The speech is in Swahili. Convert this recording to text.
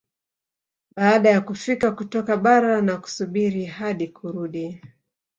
Baada ya kufika kutoka bara na kusubiri hadi kurudi